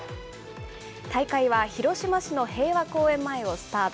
大会は広島市の平和公園前をスタート。